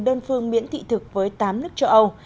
đơn phương miễn thị thực với tám nước châu âu